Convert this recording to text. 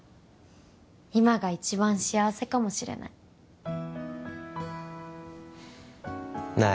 今が一番幸せかもしれないなあ